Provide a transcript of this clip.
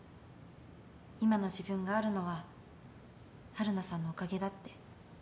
今の自分があるのは春菜さんのおかげだって。